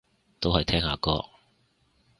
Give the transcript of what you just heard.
都係聽下歌